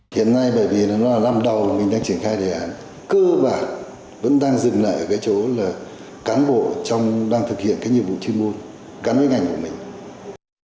hiện nay bởi vì nó là năm đầu mình đang triển khai đề án cơ bản vẫn đang dừng lại ở cái chỗ là cán bộ đang thực hiện cái nhiệm vụ chuyên môn gắn với ngành của mình